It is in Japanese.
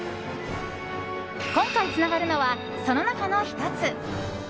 今回つながるのは、その中の１つ。